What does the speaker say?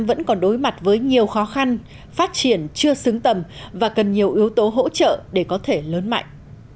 vẫn còn đối mặt với nhiều khó khăn phát triển chưa xứng tầm và cần nhiều yếu tố hỗ trợ để có thể lớn mạnh